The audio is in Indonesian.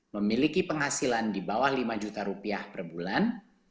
memiliki penghasilan di bawah lima juta rupiah per bulan